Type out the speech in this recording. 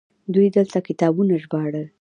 دوی دلته کتابونه ژباړل